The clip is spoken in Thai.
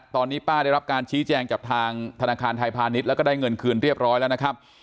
ตอนนี้ป้าได้รับการชี้แจงจากทางธนาคารไทยพาณิชย์แล้วก็ได้เงินคืนเรียบร้อยแล้วนะครับ